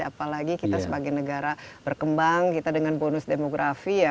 apalagi kita sebagai negara berkembang kita dengan bonus demografi ya